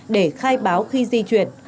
để khai báo khi di chuyển